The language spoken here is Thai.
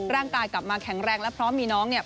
ร่างกายกลับมาแข็งแรงและพร้อมมีน้องเนี่ย